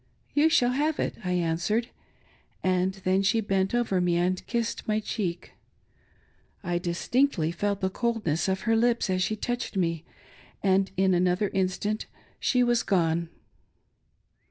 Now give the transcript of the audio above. " You shall have it," I answered ; and she then bent over me and kissed my cheek. I distinctly felt the coldness of her lips as she touched me ; and in another instant she was gone.